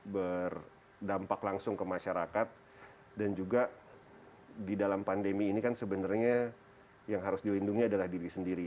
berdampak langsung ke masyarakat dan juga di dalam pandemi ini kan sebenarnya yang harus dilindungi adalah diri sendiri